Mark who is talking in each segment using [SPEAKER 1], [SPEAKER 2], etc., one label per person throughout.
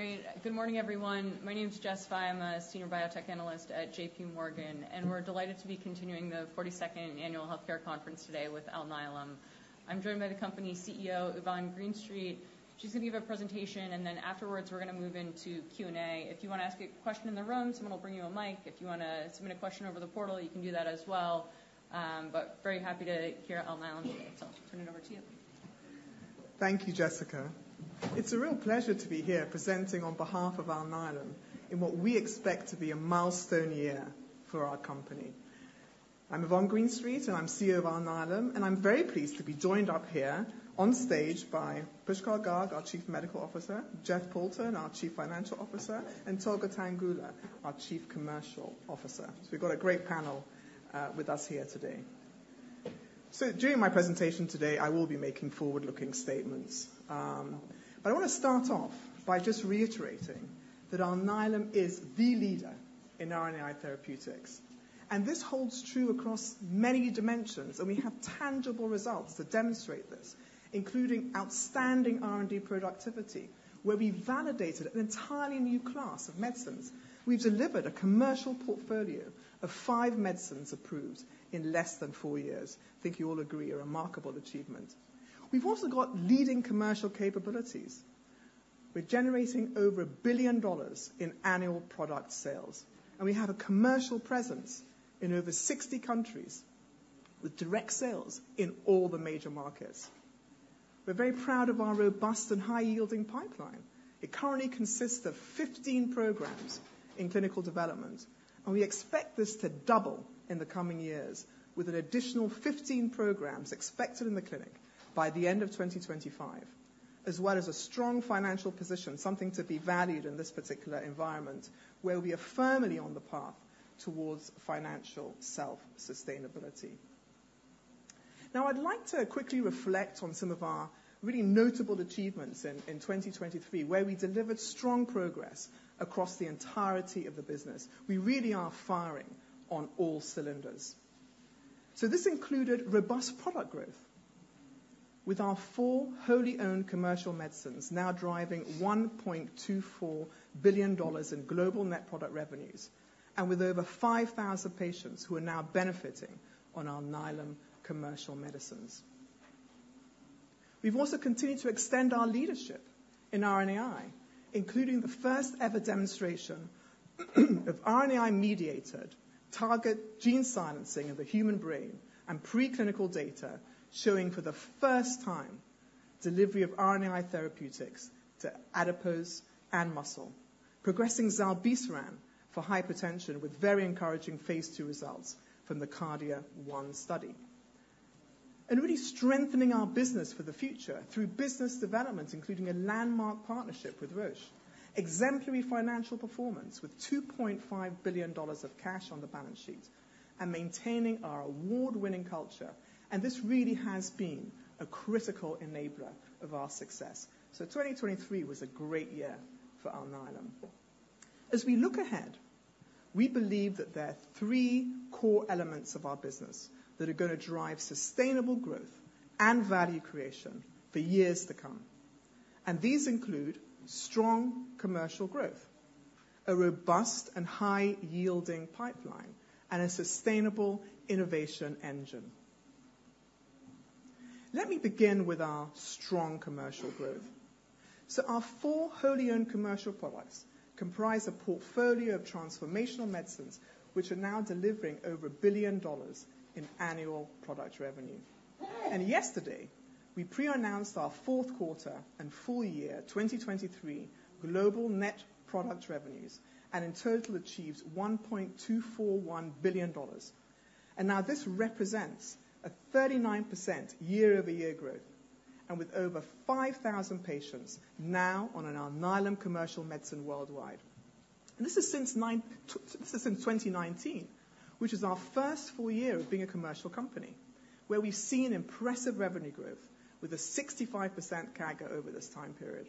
[SPEAKER 1] Great. Good morning, everyone. My name is Jessica Fye. I'm a Senior Biotech Analyst at JPMorgan, and we're delighted to be continuing the 42nd Annual Healthcare Conference today with Alnylam. I'm joined by the company's CEO, Yvonne Greenstreet. She's going to give a presentation, and then afterwards, we're going to move into Q&A. If you want to ask a question in the room, someone will bring you a mic. If you want to submit a question over the portal, you can do that as well. But very happy to hear Alnylam today. So I'll turn it over to you.
[SPEAKER 2] Thank you, Jessica. It's a real pleasure to be here presenting on behalf of Alnylam in what we expect to be a milestone year for our company. I'm Yvonne Greenstreet, and I'm CEO of Alnylam, and I'm very pleased to be joined up here on stage by Pushkal Garg, our Chief Medical Officer, Jeff Poulton, our Chief Financial Officer, and Tolga Tanguler, our Chief Commercial Officer. So we've got a great panel with us here today. So during my presentation today, I will be making forward-looking statements. But I want to start off by just reiterating that Alnylam is the leader in RNAi therapeutics, and this holds true across many dimensions, and we have tangible results that demonstrate this, including outstanding R&D productivity, where we validated an entirely new class of medicines. We've delivered a commercial portfolio of five medicines approved in less than four years. I think you all agree, a remarkable achievement. We've also got leading commercial capabilities. We're generating over $1 billion in annual product sales, and we have a commercial presence in over 60 countries, with direct sales in all the major markets. We're very proud of our robust and high-yielding pipeline. It currently consists of 15 programs in clinical development, and we expect this to double in the coming years with an additional 15 programs expected in the clinic by the end of 2025, as well as a strong financial position, something to be valued in this particular environment, where we are firmly on the path towards financial self-sustainability. Now, I'd like to quickly reflect on some of our really notable achievements in 2023, where we delivered strong progress across the entirety of the business. We really are firing on all cylinders. So this included robust product growth, with our four wholly owned commercial medicines now driving $1.24 billion in global net product revenues, and with over 5,000 patients who are now benefiting on Alnylam commercial medicines. We've also continued to extend our leadership in RNAi, including the first-ever demonstration of RNAi-mediated target gene silencing of the human brain and preclinical data showing for the first time delivery of RNAi therapeutics to adipose and muscle, progressing zilebesiran for hypertension with very encouraging phase II results from the KARDIA-1 study. And really strengthening our business for the future through business development, including a landmark partnership with Roche, exemplary financial performance with $2.5 billion of cash on the balance sheet, and maintaining our award-winning culture, and this really has been a critical enabler of our success. So 2023 was a great year for Alnylam. As we look ahead, we believe that there are three core elements of our business that are going to drive sustainable growth and value creation for years to come. These include strong commercial growth, a robust and high-yielding pipeline, and a sustainable innovation engine. Let me begin with our strong commercial growth. Our four wholly owned commercial products comprise a portfolio of transformational medicines, which are now delivering over $1 billion in annual product revenue. Yesterday, we pre-announced our fourth quarter and full year 2023 global net product revenues, and in total, achieved $1.241 billion. Now this represents a 39% year-over-year growth and with over 5,000 patients now on an Alnylam commercial medicine worldwide. This is since nine... Since 2019, which is our first full year of being a commercial company, where we've seen impressive revenue growth with a 65% CAGR over this time period.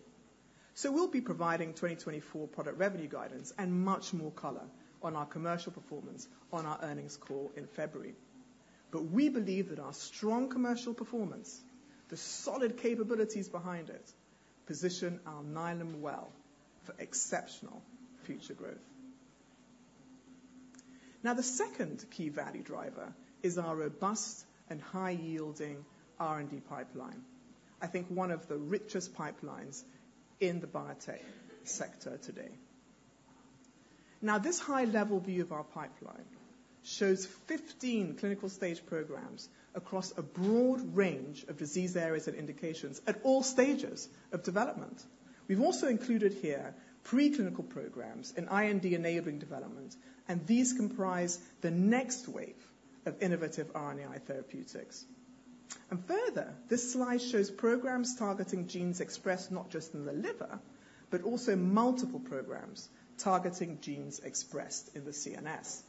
[SPEAKER 2] So we'll be providing 2024 product revenue guidance and much more color on our commercial performance on our earnings call in February. But we believe that our strong commercial performance, the solid capabilities behind it, position Alnylam well for exceptional future growth. Now, the second key value driver is our robust and high-yielding R&D pipeline. I think one of the richest pipelines in the biotech sector today. Now, this high-level view of our pipeline shows 15 clinical stage programs across a broad range of disease areas and indications at all stages of development. We've also included here preclinical programs in IND-enabling development, and these comprise the next wave of innovative RNAi therapeutics. Further, this slide shows programs targeting genes expressed not just in the liver, but also multiple programs targeting genes expressed in the CNS.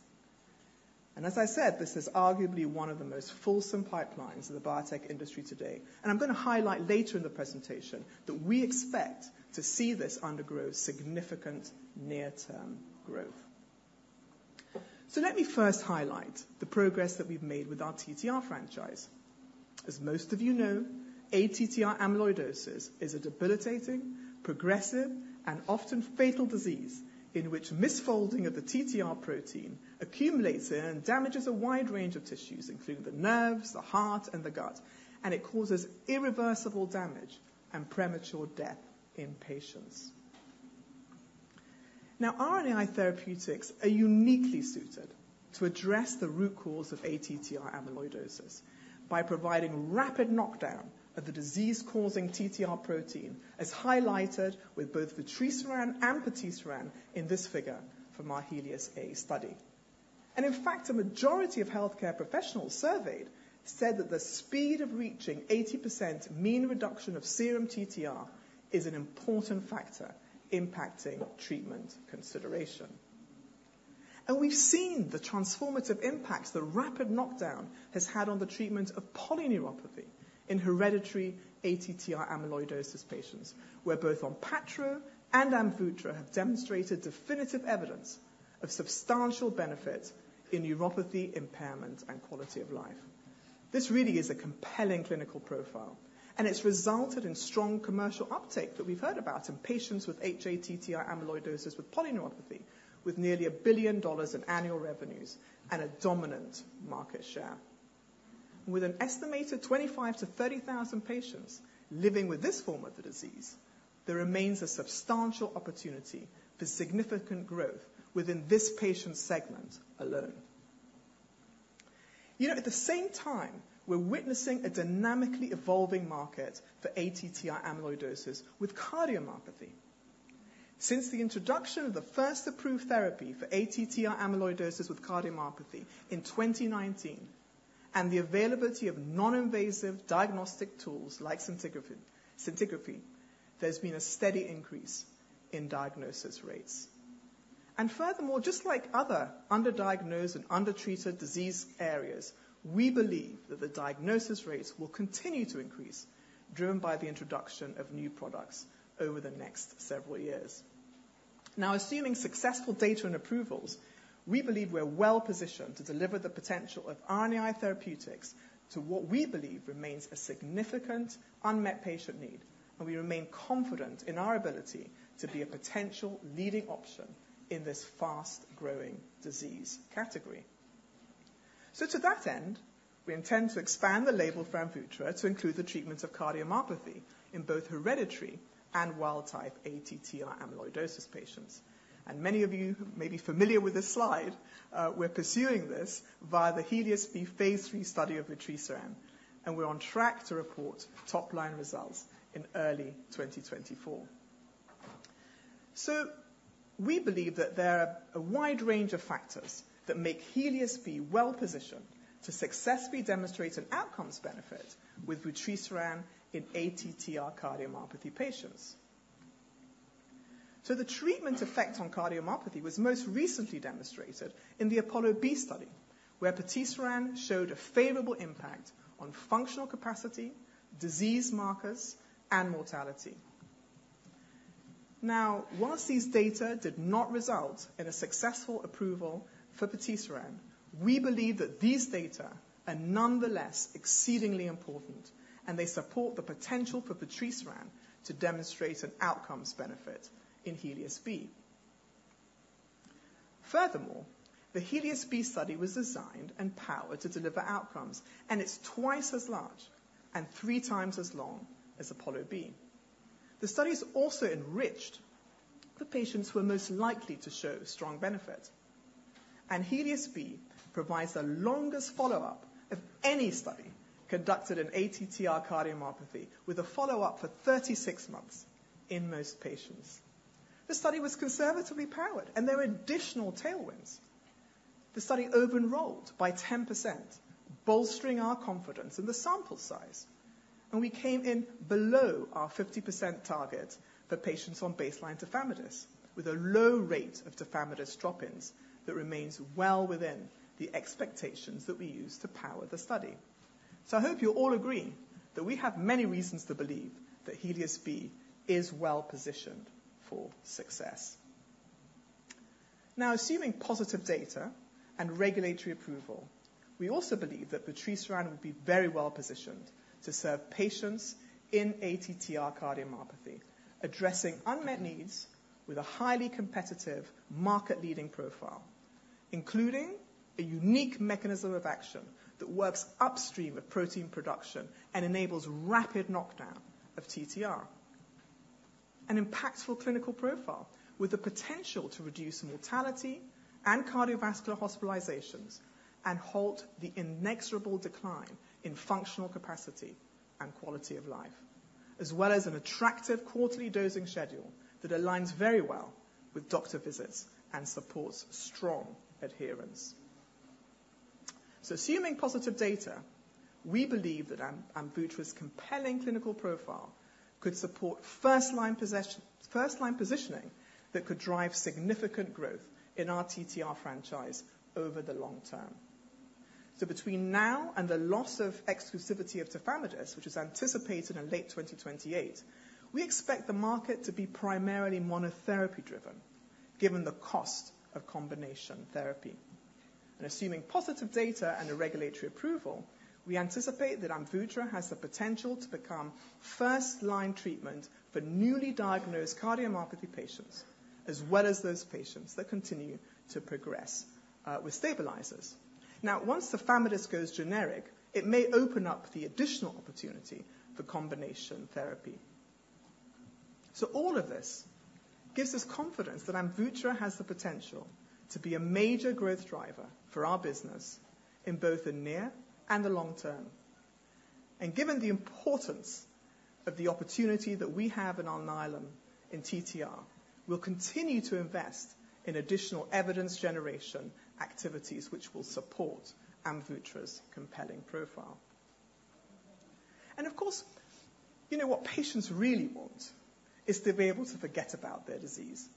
[SPEAKER 2] As I said, this is arguably one of the most fulsome pipelines in the biotech industry today, and I'm going to highlight later in the presentation that we expect to see this undergo significant near-term growth. So let me first highlight the progress that we've made with our TTR franchise. As most of you know, ATTR amyloidosis is a debilitating, progressive, and often fatal disease in which misfolding of the TTR protein accumulates and damages a wide range of tissues, including the nerves, the heart, and the gut, and it causes irreversible damage and premature death in patients. Now, RNAi therapeutics are uniquely suited to address the root cause of ATTR amyloidosis by providing rapid knockdown of the disease-causing TTR protein, as highlighted with both the vutrisiran and patisiran in this figure from our HELIOS-A study. And in fact, a majority of healthcare professionals surveyed said that the speed of reaching 80% mean reduction of serum TTR is an important factor impacting treatment consideration. And we've seen the transformative impacts the rapid knockdown has had on the treatment of polyneuropathy in hereditary ATTR amyloidosis patients, where both Onpattro and Amvuttra have demonstrated definitive evidence of substantial benefit in neuropathy, impairment, and quality of life. This really is a compelling clinical profile, and it's resulted in strong commercial uptake that we've heard about in patients with hATTR amyloidosis, with polyneuropathy, with nearly $1 billion in annual revenues and a dominant market share. With an estimated 25-30,000 patients living with this form of the disease, there remains a substantial opportunity for significant growth within this patient segment alone. You know, at the same time, we're witnessing a dynamically evolving market for ATTR amyloidosis with cardiomyopathy. Since the introduction of the first approved therapy for ATTR amyloidosis with cardiomyopathy in 2019, and the availability of non-invasive diagnostic tools like scintigraphy, there's been a steady increase in diagnosis rates. And furthermore, just like other underdiagnosed and undertreated disease areas, we believe that the diagnosis rates will continue to increase, driven by the introduction of new products over the next several years. Now, assuming successful data and approvals, we believe we're well positioned to deliver the potential of RNAi therapeutics to what we believe remains a significant unmet patient need, and we remain confident in our ability to be a potential leading option in this fast-growing disease category. So to that end, we intend to expand the label for Amvuttra to include the treatment of cardiomyopathy in both hereditary and wild-type ATTR amyloidosis patients. And many of you may be familiar with this slide. We're pursuing this via the HELIOS-B phase III study of vutrisiran, and we're on track to report top-line results in early 2024. So we believe that there are a wide range of factors that make HELIOS-B well positioned to successfully demonstrate an outcomes benefit with vutrisiran in ATTR cardiomyopathy patients. So the treatment effect on cardiomyopathy was most recently demonstrated in the APOLLO-B study, where patisiran showed a favorable impact on functional capacity, disease markers, and mortality. Now, while these data did not result in a successful approval for patisiran, we believe that these data are nonetheless exceedingly important, and they support the potential for patisiran to demonstrate an outcomes benefit in HELIOS-B. Furthermore, the HELIOS-B study was designed and powered to deliver outcomes, and it's twice as large and three times as long as APOLLO-B. The study is also enriched for patients who are most likely to show strong benefit, and HELIOS-B provides the longest follow-up of any study conducted in ATTR cardiomyopathy, with a follow-up for 36 months in most patients. The study was conservatively powered, and there were additional tailwinds. The study over-enrolled by 10%, bolstering our confidence in the sample size, and we came in below our 50% target for patients on baseline tafamidis, with a low rate of tafamidis drop-ins that remains well within the expectations that we used to power the study. So I hope you'll all agree that we have many reasons to believe that HELIOS-B is well positioned for success. Now, assuming positive data and regulatory approval, we also believe that patisiran would be very well positioned to serve patients in ATTR cardiomyopathy, addressing unmet needs with a highly competitive, market-leading profile, including a unique mechanism of action that works upstream of protein production and enables rapid knockdown of TTR. An impactful clinical profile with the potential to reduce mortality and cardiovascular hospitalizations and halt the inexorable decline in functional capacity and quality of life, as well as an attractive quarterly dosing schedule that aligns very well with doctor visits and supports strong adherence. So assuming positive data, we believe that Amvuttra's compelling clinical profile could support first-line positioning that could drive significant growth in our TTR franchise over the long term. So between now and the loss of exclusivity of tafamidis, which is anticipated in late 2028, we expect the market to be primarily monotherapy driven, given the cost of combination therapy. And assuming positive data and a regulatory approval, we anticipate that Amvuttra has the potential to become first-line treatment for newly diagnosed cardiomyopathy patients, as well as those patients that continue to progress with stabilizers. Now, once tafamidis goes generic, it may open up the additional opportunity for combination therapy. So all of this gives us confidence that Amvuttra has the potential to be a major growth driver for our business in both the near and the long term. And given the importance of the opportunity that we have in Alnylam in TTR, we'll continue to invest in additional evidence generation activities, which will support Amvuttra's compelling profile. And of course, you know, what patients really want is to be able to forget about their disease,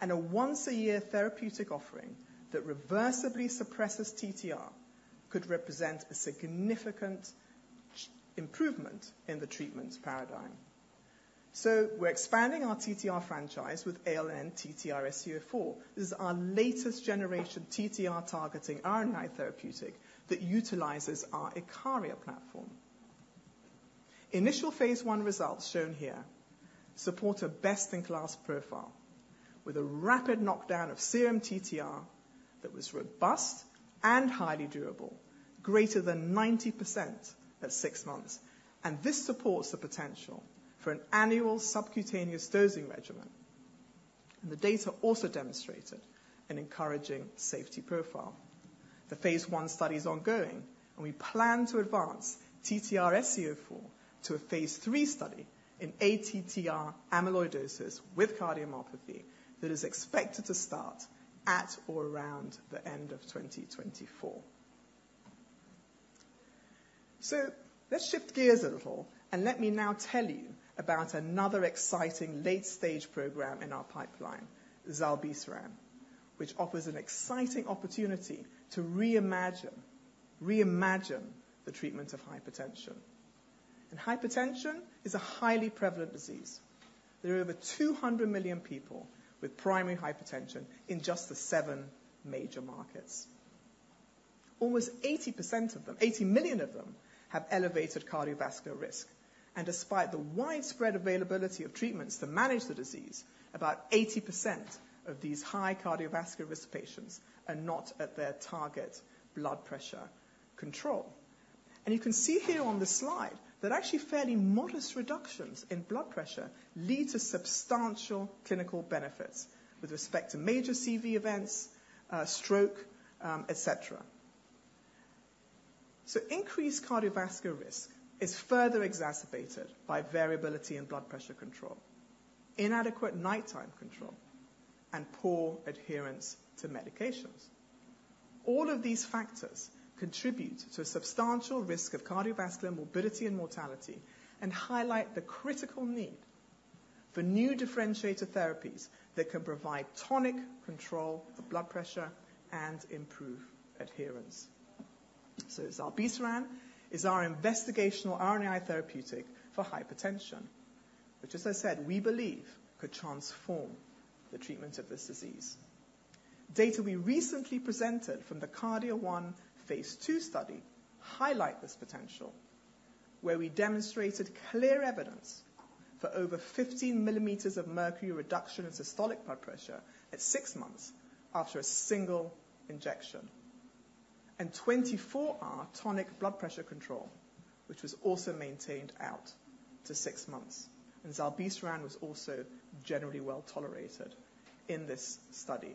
[SPEAKER 2] and a once-a-year therapeutic offering that reversibly suppresses TTR could represent a significant improvement in the treatment paradigm. So we're expanding our TTR franchise with ALN-TTRsc04. This is our latest generation TTR targeting RNAi therapeutic that utilizes our IKARIA platform. Initial phase one results, shown here, support a best-in-class profile with a rapid knockdown of serum TTR that was robust and highly durable, greater than 90% at six months, and this supports the potential for an annual subcutaneous dosing regimen. The data also demonstrated an encouraging safety profile. The phase I study is ongoing, and we plan to advance ALN-TTRsc04 to a phase III study in ATTR amyloidosis with cardiomyopathy that is expected to start at or around the end of 2024. Let's shift gears a little, and let me now tell you about another exciting late-stage program in our pipeline, zilebesiran, which offers an exciting opportunity to reimagine, reimagine the treatment of hypertension. Hypertension is a highly prevalent disease. There are over 200 million people with primary hypertension in just the seven major markets. Almost 80% of them, 80 million of them, have elevated cardiovascular risk, and despite the widespread availability of treatments to manage the disease, about 80% of these high cardiovascular risk patients are not at their target blood pressure control. You can see here on the slide that actually fairly modest reductions in blood pressure lead to substantial clinical benefits with respect to major CV events, stroke, et cetera. Increased cardiovascular risk is further exacerbated by variability in blood pressure control, inadequate nighttime control, and poor adherence to medications. All of these factors contribute to a substantial risk of cardiovascular morbidity and mortality and highlight the critical need for new differentiator therapies that can provide tonic control of blood pressure and improve adherence. Zilebesiran is our investigational RNA therapeutic for hypertension, which, as I said, we believe could transform the treatment of this disease. Data we recently presented from the KARDIA-1 phase II study highlight this potential, where we demonstrated clear evidence for over 15 millimeters of mercury reduction in systolic blood pressure at six months after a single injection, and 24-hour tonic blood pressure control, which was also maintained out to six months. Zilebesiran was also generally well tolerated in this study.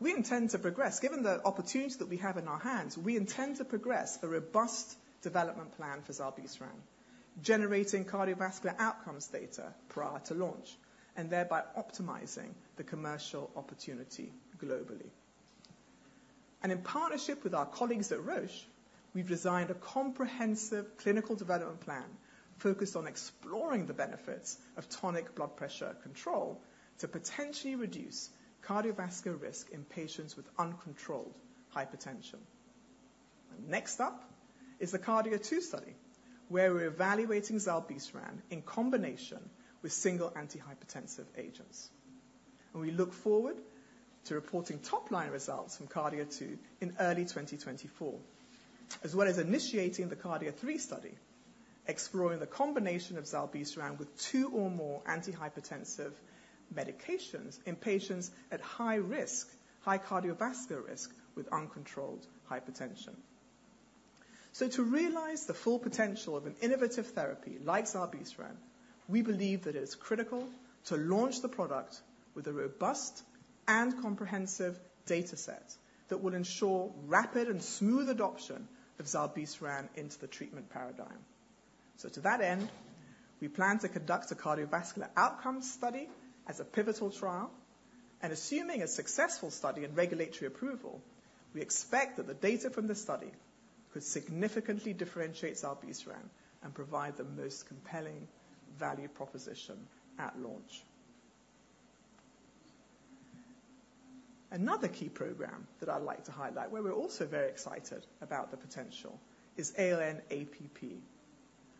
[SPEAKER 2] We intend to progress. Given the opportunity that we have in our hands, we intend to progress a robust development plan for zilebesiran, generating cardiovascular outcomes data prior to launch and thereby optimizing the commercial opportunity globally. In partnership with our colleagues at Roche, we've designed a comprehensive clinical development plan focused on exploring the benefits of tonic blood pressure control to potentially reduce cardiovascular risk in patients with uncontrolled hypertension. Next up is the KARDIA-2 study, where we're evaluating zilebesiran in combination with single antihypertensive agents, and we look forward to reporting top-line results from KARDIA-2 in early 2024, as well as initiating the KARDIA-3 study, exploring the combination of zilebesiran with two or more antihypertensive medications in patients at high risk, high cardiovascular risk with uncontrolled hypertension. So to realize the full potential of an innovative therapy like zilebesiran, we believe that it is critical to launch the product with a robust and comprehensive data set that will ensure rapid and smooth adoption of zilebesiran into the treatment paradigm. So to that end, we plan to conduct a cardiovascular outcomes study as a pivotal trial, and assuming a successful study and regulatory approval, we expect that the data from this study could significantly differentiate zilebesiran and provide the most compelling value proposition at launch. Another key program that I'd like to highlight, where we're also very excited about the potential, is ALN-APP,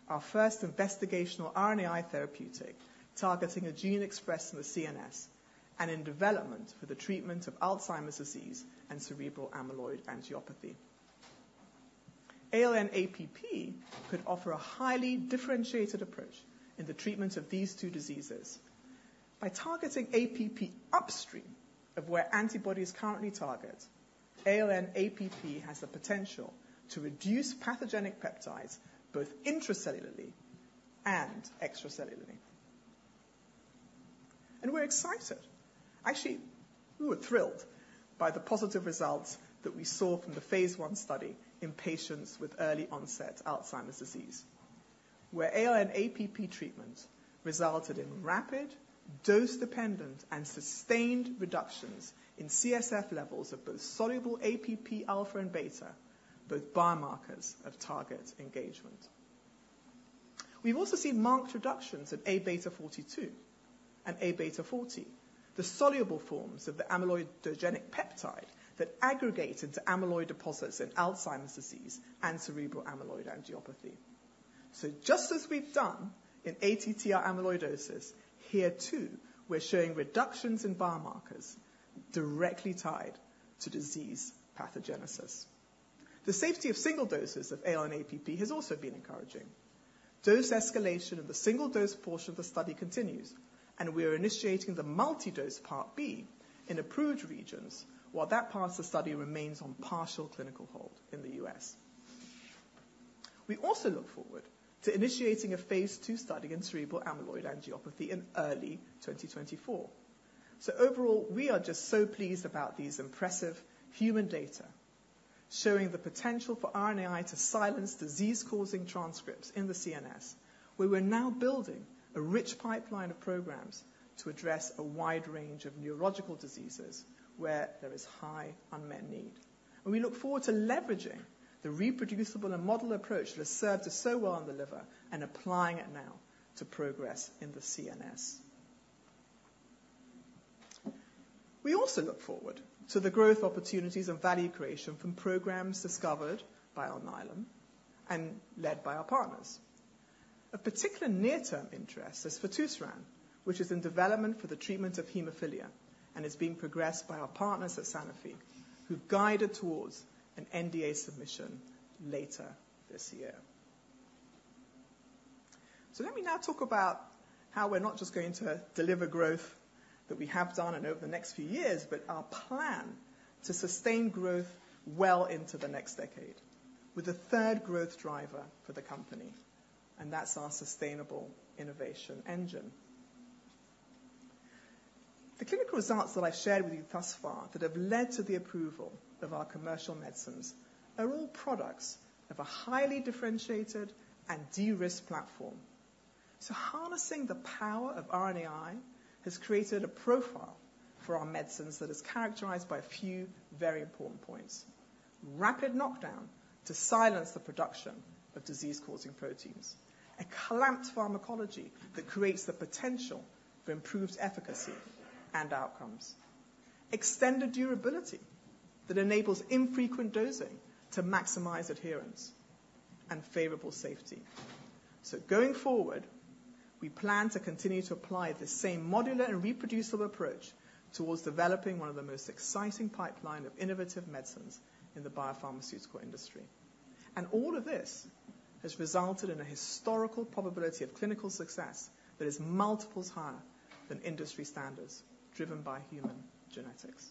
[SPEAKER 2] our first investigational RNAi therapeutic, targeting a gene expressed in the CNS and in development for the treatment of Alzheimer's disease and cerebral amyloid angiopathy. ALN-APP could offer a highly differentiated approach in the treatment of these two diseases. By targeting APP upstream of where antibodies currently target, ALN-APP has the potential to reduce pathogenic peptides, both intracellularly and extracellularly. And we're excited. Actually, we were thrilled by the positive results that we saw from the phase one study in patients with early-onset Alzheimer's disease, where ALN-APP treatment resulted in rapid, dose-dependent, and sustained reductions in CSF levels of both soluble APP alpha and beta, both biomarkers of target engagement. We've also seen marked reductions in Abeta 42 and Abeta 40, the soluble forms of the amyloidogenic peptide that aggregate into amyloid deposits in Alzheimer's disease and cerebral amyloid angiopathy. So just as we've done in ATTR amyloidosis, here, too, we're showing reductions in biomarkers directly tied to disease pathogenesis. The safety of single doses of ALN-APP has also been encouraging. Dose escalation of the single dose portion of the study continues, and we are initiating the multi-dose part B in approved regions, while that part of the study remains on partial clinical hold in the U.S. We also look forward to initiating a phase II study in cerebral amyloid angiopathy in early 2024. Overall, we are just so pleased about these impressive human data, showing the potential for RNAi to silence disease-causing transcripts in the CNS, where we're now building a rich pipeline of programs to address a wide range of neurological diseases where there is high unmet need. We look forward to leveraging the reproducible and modular approach that has served us so well in the liver and applying it now to progress in the CNS. We also look forward to the growth opportunities and value creation from programs discovered by Alnylam and led by our partners. Of particular near-term interest is fitusiran, which is in development for the treatment of hemophilia and is being progressed by our partners at Sanofi, who guide it towards an NDA submission later this year. So let me now talk about how we're not just going to deliver growth that we have done and over the next few years, but our plan to sustain growth well into the next decade with a third growth driver for the company, and that's our sustainable innovation engine. The clinical results that I've shared with you thus far that have led to the approval of our commercial medicines are all products of a highly differentiated and de-risked platform. So harnessing the power of RNAi has created a profile for our medicines that is characterized by a few very important points: rapid knockdown to silence the production of disease-causing proteins, a clamped pharmacology that creates the potential for improved efficacy and outcomes, extended durability that enables infrequent dosing to maximize adherence, and favorable safety. So going forward, we plan to continue to apply the same modular and reproducible approach towards developing one of the most exciting pipeline of innovative medicines in the biopharmaceutical industry. All of this has resulted in a historical probability of clinical success that is multiples higher than industry standards, driven by human genetics.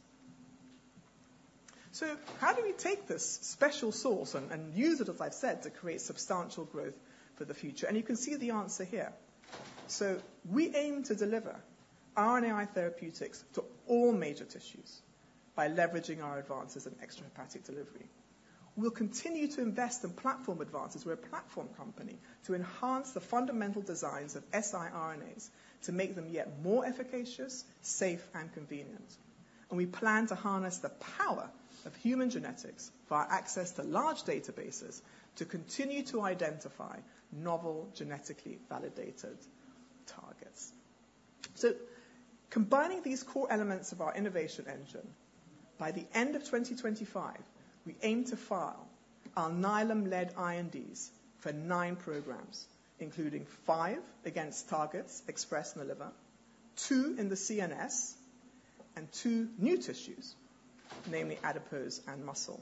[SPEAKER 2] So how do we take this special sauce and use it, as I've said, to create substantial growth for the future? You can see the answer here. So we aim to deliver RNAi therapeutics to all major tissues by leveraging our advances in extrahepatic delivery. We'll continue to invest in platform advances. We're a platform company to enhance the fundamental designs of siRNAs to make them yet more efficacious, safe, and convenient. We plan to harness the power of human genetics via access to large databases to continue to identify novel, genetically validated targets. Combining these core elements of our innovation engine, by the end of 2025, we aim to file our Alnylam-led INDs for nine programs, including five against targets expressed in the liver, two in the CNS, and two new tissues, namely adipose and muscle.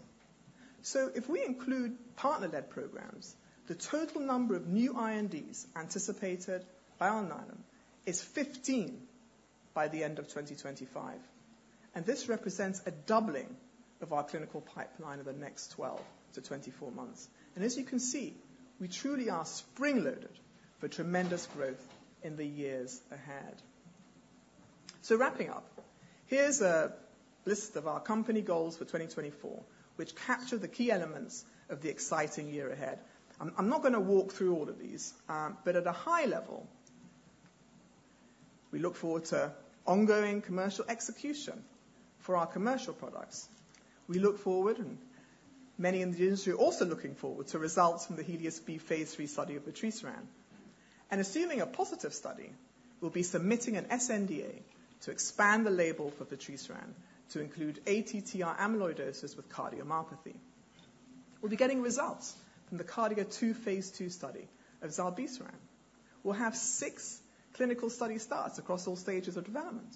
[SPEAKER 2] If we include partner-led programs, the total number of new INDs anticipated by Alnylam is 15 by the end of 2025, and this represents a doubling of our clinical pipeline over the next 12-24 months. As you can see, we truly are spring-loaded for tremendous growth in the years ahead. Wrapping up, here's a list of our company goals for 2024, which capture the key elements of the exciting year ahead. I'm not gonna walk through all of these, but at a high level, we look forward to ongoing commercial execution for our commercial products. We look forward, many in the industry are also looking forward to results from the HELIOS-B Phase III study of patisiran. Assuming a positive study, we'll be submitting an sNDA to expand the label for patisiran to include ATTR amyloidosis with cardiomyopathy. We'll be getting results from the KARDIA-2 Phase II study of zilebesiran. We'll have six clinical study starts across all stages of development,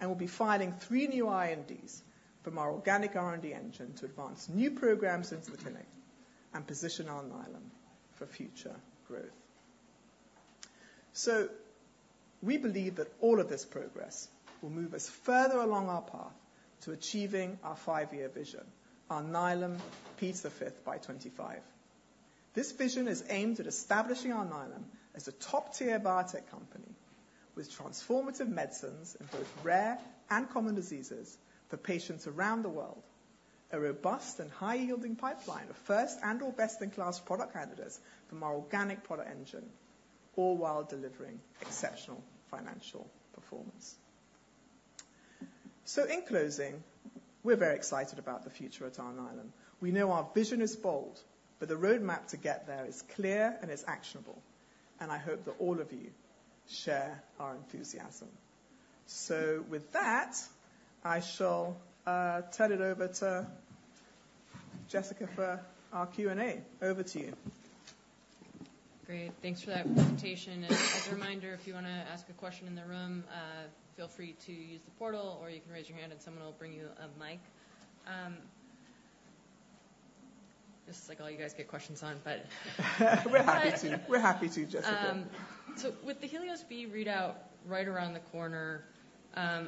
[SPEAKER 2] and we'll be filing three new INDs from our organic R&D engine to advance new programs into the clinic and position Alnylam for future growth. So we believe that all of this progress will move us further along our path to achieving our five-year vision, Alnylam P5x25 by 25. This vision is aimed at establishing Alnylam as a top-tier biotech company with transformative medicines in both rare and common diseases for patients around the world. A robust and high-yielding pipeline of first and or best-in-class product candidates from our organic product engine, all while delivering exceptional financial performance. So in closing, we're very excited about the future at Alnylam. We know our vision is bold, but the roadmap to get there is clear and is actionable, and I hope that all of you share our enthusiasm. So with that, I shall turn it over to Jessica for our Q&A. Over to you.
[SPEAKER 1] Great, thanks for that presentation. And as a reminder, if you wanna ask a question in the room, feel free to use the portal, or you can raise your hand, and someone will bring you a mic. This is, like, all you guys get questions on, but-
[SPEAKER 2] We're happy to, Jessica.
[SPEAKER 1] So with the HELIOS-B readout right around the corner,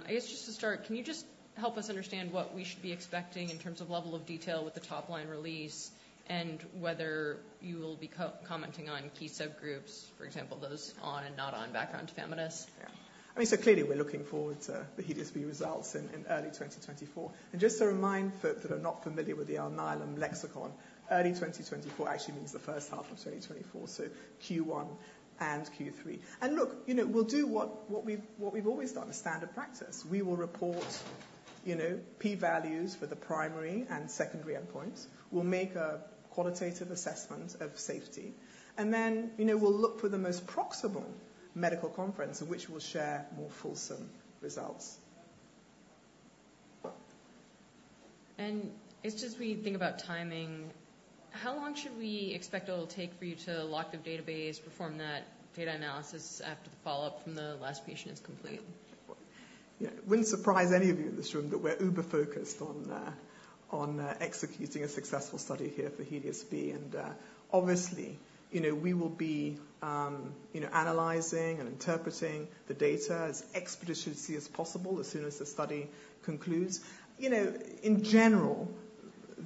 [SPEAKER 1] I guess just to start, can you just help us understand what we should be expecting in terms of level of detail with the top-line release and whether you will be co-commenting on key subgroups, for example, those on and not on background tafamidis?
[SPEAKER 2] Yeah. I mean, so clearly, we're looking forward to the HELIOS-B results in early 2024. And just a reminder, for those who are not familiar with the Alnylam lexicon, early 2024 actually means the first half of 2024, so Q1 and Q2. And look, you know, we'll do what we've always done, the standard practice. We will report, you know, P values for the primary and secondary endpoints. We'll make a qualitative assessment of safety, and then, you know, we'll look for the most proximal medical conference in which we'll share more fulsome results.
[SPEAKER 1] It's just when you think about timing, how long should we expect it'll take for you to lock the database, perform that data analysis after the follow-up from the last patient is complete?
[SPEAKER 2] Yeah. It wouldn't surprise any of you in this room that we're uber focused on executing a successful study here for HELIOS-B. And obviously, you know, we will be, you know, analyzing and interpreting the data as expeditiously as possible, as soon as the study concludes. You know, in general,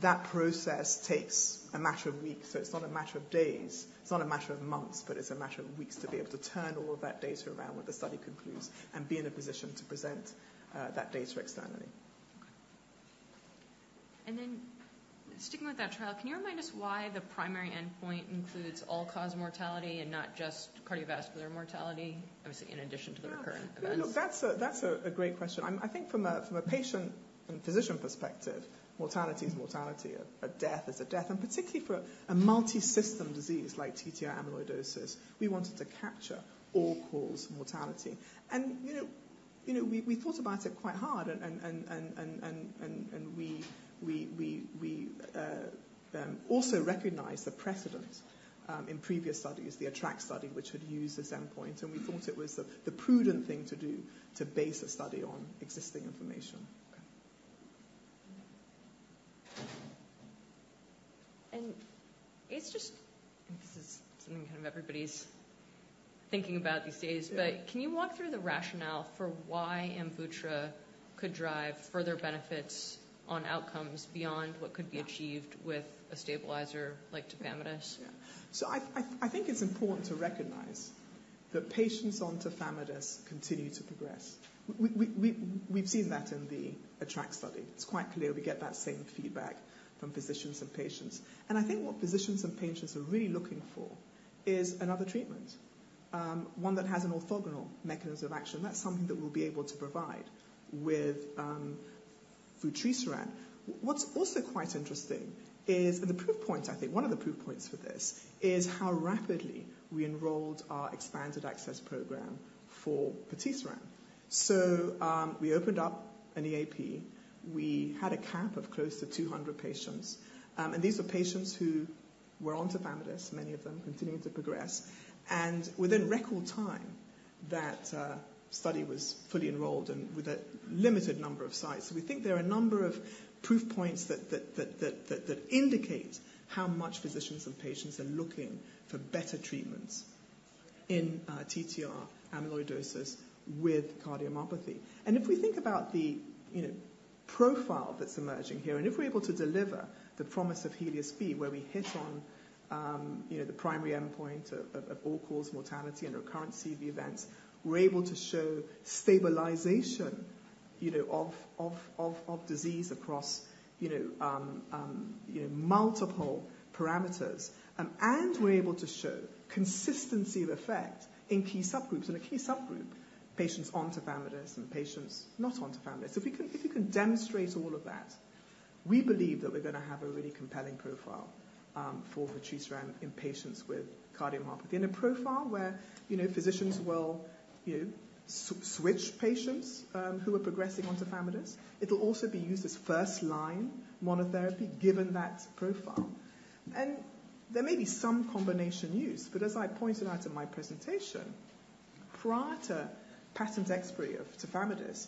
[SPEAKER 2] that process takes a matter of weeks. So it's not a matter of days, it's not a matter of months, but it's a matter of weeks to be able to turn all of that data around when the study concludes and be in a position to present that data externally.
[SPEAKER 1] Okay. And then sticking with that trial, can you remind us why the primary endpoint includes all-cause mortality and not just cardiovascular mortality, obviously, in addition to the recurrent events?
[SPEAKER 2] Yeah. Look, that's a great question. I think from a patient and physician perspective, mortality is mortality. A death is a death, and particularly for a multi-system disease like ATTR amyloidosis, we wanted to capture all-cause mortality. And, you know, we thought about it quite hard and we also recognized the precedent in previous studies, the ATTRACT study, which had used this endpoint, and we thought it was the prudent thing to do to base a study on existing information.
[SPEAKER 1] Okay. And it's just... This is something kind of everybody's thinking about these days.
[SPEAKER 2] Yeah.
[SPEAKER 1] But can you walk through the rationale for why Amvuttra could drive further benefits on outcomes beyond what could be achieved with a stabilizer like tafamidis?
[SPEAKER 2] Yeah. So I think it's important to recognize that patients on tafamidis continue to progress. We've seen that in the ATTRACT study. It's quite clear we get that same feedback from physicians and patients. And I think what physicians and patients are really looking for is another treatment, one that has an orthogonal mechanism of action. That's something that we'll be able to provide with vutrisiran. What's also quite interesting is, and the proof points, I think one of the proof points for this, is how rapidly we enrolled our expanded access program for patisiran. So, we opened up an EAP. We had a cap of close to 200 patients, and these were patients who were on tafamidis, many of them continuing to progress. Within record time, that study was fully enrolled and with a limited number of sites. So we think there are a number of proof points that indicate how much physicians and patients are looking for better treatments in TTR amyloidosis with cardiomyopathy. And if we think about the, you know, profile that's emerging here, and if we're able to deliver the promise of HELIOS-B, where we hit on, you know, the primary endpoint of all-cause mortality and recurrence of the events, we're able to show stabilization, you know, of disease across, you know, multiple parameters. And we're able to show consistency of effect in key subgroups. In a key subgroup, patients on tafamidis and patients not on tafamidis. If we can, if you can demonstrate all of that... We believe that we're gonna have a really compelling profile for vutrisiran in patients with cardiomyopathy. And a profile where, you know, physicians will, you know, switch patients who are progressing onto tafamidis. It'll also be used as first-line monotherapy, given that profile. And there may be some combination use, but as I pointed out in my presentation, prior to patent expiry of tafamidis,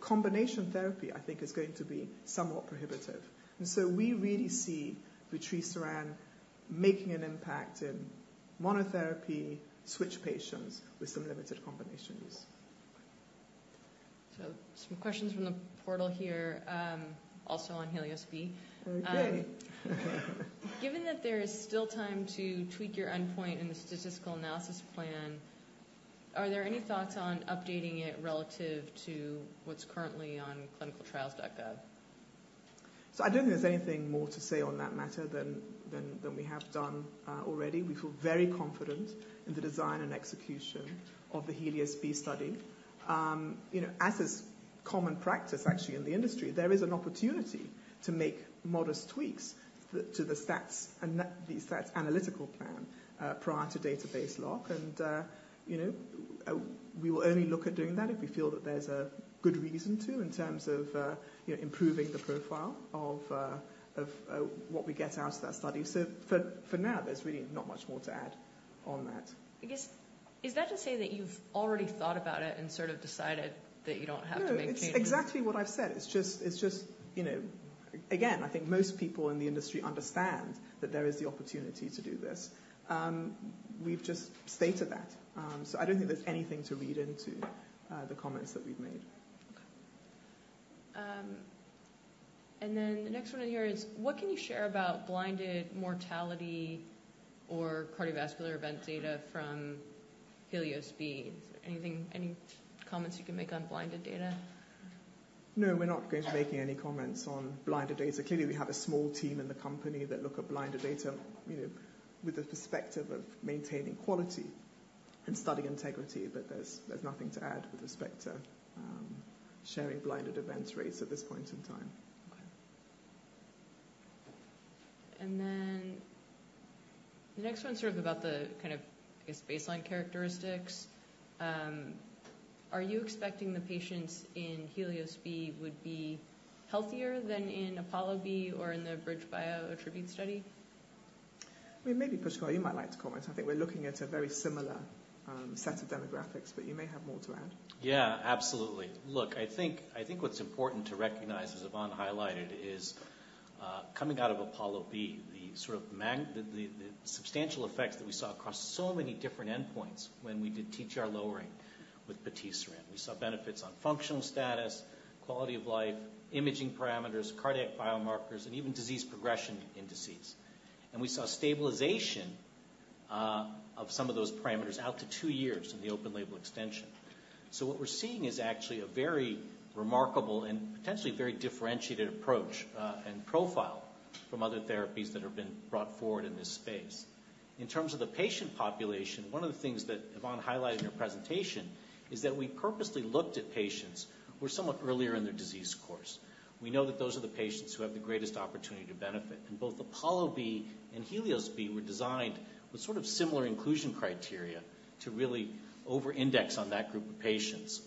[SPEAKER 2] combination therapy, I think, is going to be somewhat prohibitive. And so we really see vutrisiran making an impact in monotherapy switch patients with some limited combination use.
[SPEAKER 1] So some questions from the portal here, also on HELIOS-B.
[SPEAKER 2] Oh, yay.
[SPEAKER 1] Given that there is still time to tweak your endpoint in the statistical analysis plan, are there any thoughts on updating it relative to what's currently on ClinicalTrials.gov?
[SPEAKER 2] So I don't think there's anything more to say on that matter than we have done already. We feel very confident in the design and execution of the HELIOS-B study. You know, as is common practice actually in the industry, there is an opportunity to make modest tweaks to the stats and the stats analytical plan prior to database lock. And you know, we will only look at doing that if we feel that there's a good reason to, in terms of you know, improving the profile of what we get out of that study. So for now, there's really not much more to add on that.
[SPEAKER 1] I guess, is that to say that you've already thought about it and sort of decided that you don't have to make changes?
[SPEAKER 2] No, it's exactly what I've said. It's just, it's just, you know... Again, I think most people in the industry understand that there is the opportunity to do this. We've just stated that. So I don't think there's anything to read into the comments that we've made.
[SPEAKER 1] And then the next one in here is: What can you share about blinded mortality or cardiovascular event data from HELIOS-B? Anything, any comments you can make on blinded data?
[SPEAKER 2] No, we're not going to be making any comments on blinded data. Clearly, we have a small team in the company that look at blinded data, you know, with the perspective of maintaining quality and study integrity, but there's nothing to add with respect to sharing blinded events rates at this point in time.
[SPEAKER 1] Okay. And then the next one's sort of about the, kind of, I guess, baseline characteristics. Are you expecting the patients in HELIOS-B would be healthier than in APOLLO-B or in the BridgeBio ATTRibute study?
[SPEAKER 2] Well, maybe Pushkal, you might like to comment. I think we're looking at a very similar set of demographics, but you may have more to add.
[SPEAKER 3] Yeah, absolutely. Look, I think, I think what's important to recognize, as Yvonne highlighted, is coming out of APOLLO-B, the substantial effects that we saw across so many different endpoints when we did TTR lowering with patisiran. We saw benefits on functional status, quality of life, imaging parameters, cardiac biomarkers, and even disease progression indices. We saw stabilization of some of those parameters out to two years in the open-label extension. What we're seeing is actually a very remarkable and potentially very differentiated approach and profile from other therapies that have been brought forward in this space. In terms of the patient population, one of the things that Yvonne highlighted in her presentation is that we purposely looked at patients who were somewhat earlier in their disease course. We know that those are the patients who have the greatest opportunity to benefit, and both APOLLO-B and HELIOS-B were designed with sort of similar inclusion criteria to really overindex on that group of patients.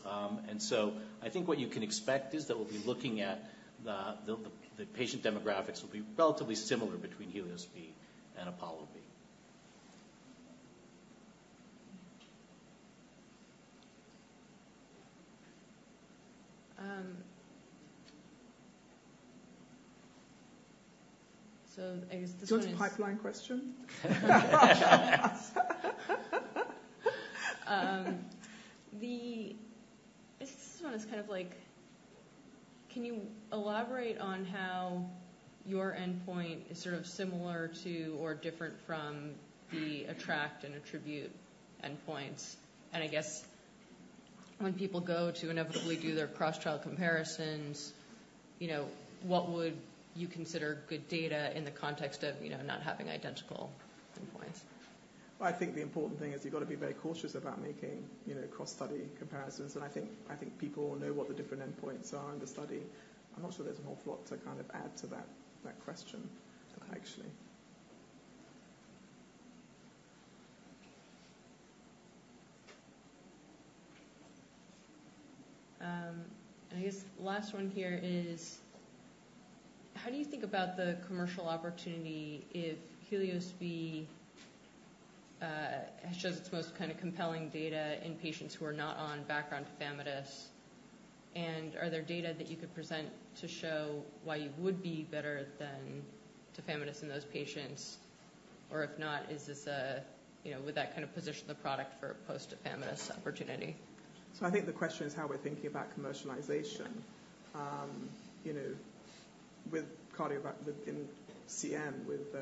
[SPEAKER 3] And so I think what you can expect is that we'll be looking at the patient demographics will be relatively similar between HELIOS-B and APOLLO-B.
[SPEAKER 1] So, I guess this one is-
[SPEAKER 2] Do you want a pipeline question?
[SPEAKER 1] This one is kind of like: Can you elaborate on how your endpoint is sort of similar to or different from the ATTRACT and ATTRibute endpoints? And I guess when people go to inevitably do their cross-trial comparisons, you know, what would you consider good data in the context of, you know, not having identical endpoints?
[SPEAKER 2] I think the important thing is you've got to be very cautious about making, you know, cross-study comparisons. And I think, I think people know what the different endpoints are in the study. I'm not sure there's an awful lot to kind of add to that, that question, actually.
[SPEAKER 1] I guess the last one here is: How do you think about the commercial opportunity if HELIOS-B shows its most kind of compelling data in patients who are not on background tafamidis? And are there data that you could present to show why you would be better than tafamidis in those patients? Or if not, is this a, you know, would that kind of position the product for a post-tafamidis opportunity?
[SPEAKER 2] So I think the question is how we're thinking about commercialization, you know, with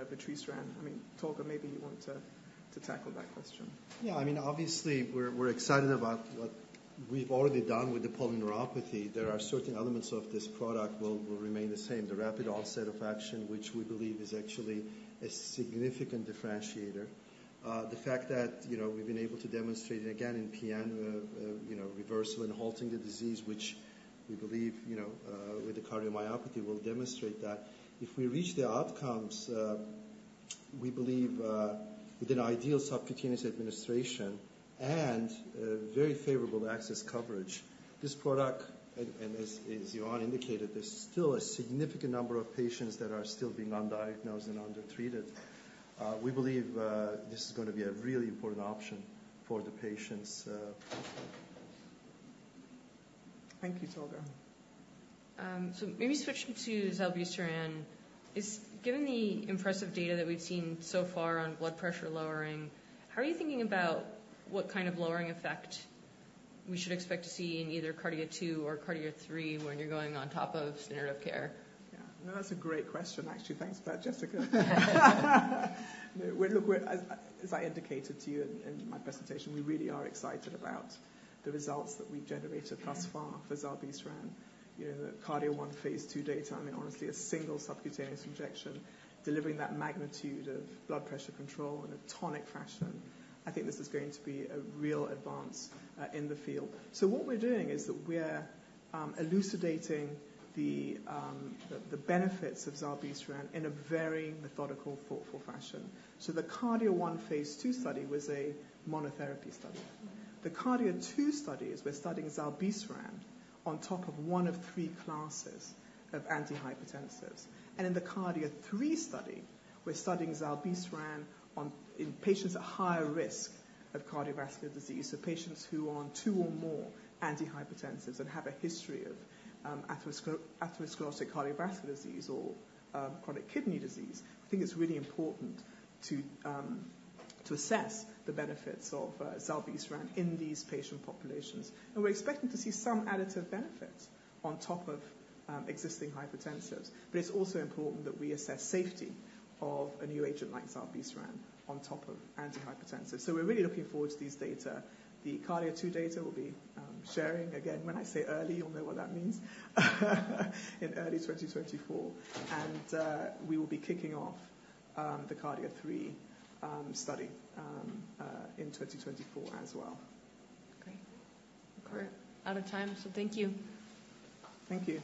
[SPEAKER 2] vutrisiran. I mean, Tolga, maybe you want to tackle that question.
[SPEAKER 4] Yeah, I mean, obviously, we're excited about what we've already done with the polyneuropathy. There are certain elements of this product will remain the same. The rapid onset of action, which we believe is actually a significant differentiator. The fact that, you know, we've been able to demonstrate it again in PN, you know, reversal and halting the disease, which we believe, you know, with the cardiomyopathy, will demonstrate that. If we reach the outcomes, we believe, with an ideal subcutaneous administration and a very favorable access coverage, this product, and, and as Yvonne indicated, there's still a significant number of patients that are still being undiagnosed and undertreated. We believe, this is gonna be a really important option for the patients.
[SPEAKER 2] Thank you, Tolga.
[SPEAKER 1] So maybe switching to zilebesiran, given the impressive data that we've seen so far on blood pressure lowering, how are you thinking about what kind of lowering effect we should expect to see in either KARDIA-2 or KARDIA-3 when you're going on top of standard of care?
[SPEAKER 2] Yeah. No, that's a great question, actually. Thanks for that, Jessica. We're. As I indicated to you in my presentation, we really are excited about the results that we've generated thus far for zilebesiran. You know, the KARDIA-1 phase II data, I mean, honestly, a single subcutaneous injection delivering that magnitude of blood pressure control in a tonic fashion. I think this is going to be a real advance in the field. So what we're doing is that we're elucidating the benefits of zilebesiran in a very methodical, thoughtful fashion. So the KARDIA-1 phase II study was a monotherapy study. The KARDIA-2 studies, we're studying zilebesiran on top of one of three classes of antihypertensives. And in the KARDIA-3 study, we're studying zilebesiran in patients at higher risk of cardiovascular disease. So patients who are on two or more antihypertensives and have a history of atherosclerotic cardiovascular disease or chronic kidney disease. I think it's really important to assess the benefits of zilebesiran in these patient populations, and we're expecting to see some additive benefits on top of existing hypertensives. But it's also important that we assess safety of a new agent like zilebesiran on top of antihypertensives. So we're really looking forward to these data. The KARDIA-2 data, we'll be sharing. Again, when I say early, you'll know what that means, in early 2024, and we will be kicking off the KARDIA-3 study in 2024 as well.
[SPEAKER 1] Great. We're out of time, so thank you.
[SPEAKER 2] Thank you.